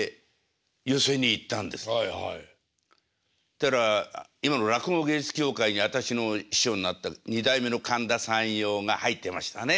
ったら今の落語芸術協会に私の師匠になった二代目の神田山陽が入ってましたね。